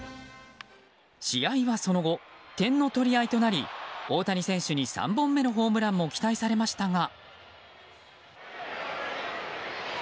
試合はその後点の取り合いとなり大谷選手に３本目のホームランも期待されましたが。